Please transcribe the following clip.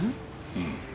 うん。